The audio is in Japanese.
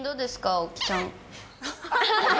青木さん。